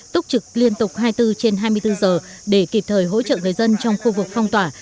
túc trực liên tục hai mươi bốn trên hai mươi bốn giờ để kịp thời hỗ trợ người dân trong khu vực phong tỏa